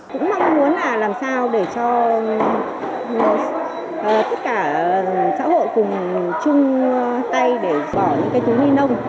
cũng mong muốn là làm sao để cho tất cả xã hội cùng chung tay để bỏ những cái túi ni lông